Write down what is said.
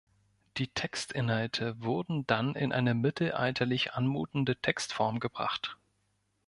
Die Textinhalte wurden dann in eine mittelalterlich anmutende Textform gebracht.